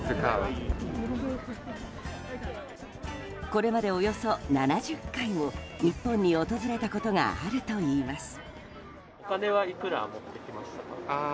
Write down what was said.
これまで、およそ７０回も日本に訪れたことがあるといいます。